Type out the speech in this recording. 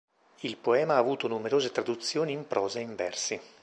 Il poema ha avuto numerose traduzioni, in prosa e in versi.